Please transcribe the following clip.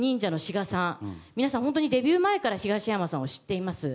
皆さん、デビュー前から東山さんを知っています。